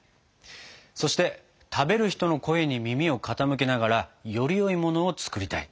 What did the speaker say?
そして食べる人の声に耳を傾けながらよりよいものを作りたい。